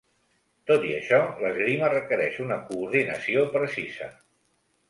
Tot i això, l'esgrima requereix una coordinació precisa.